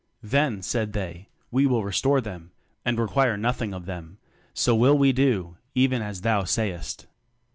"Then said they, We will restore them, and require nothing of them; so will we do, even as thou sayest.